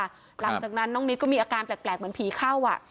หลังจากนั้นน้องนิดก็มีอาการแปลกเหมือนผีเข้า